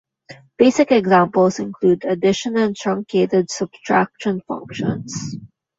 Basic examples include the addition and truncated subtraction functions.